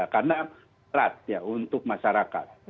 karena serat untuk masyarakat